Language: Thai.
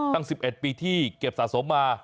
ตั้ง๑๑ปีที่เก็บสะสมมา